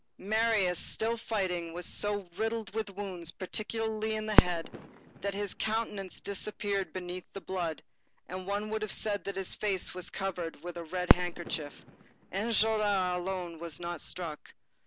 Marius, still fighting, was so riddled with wounds, particularly in the head, that his countenance disappeared beneath the blood, and one would have said that his face was covered with a red kerchief. Enjolras alone was not struck.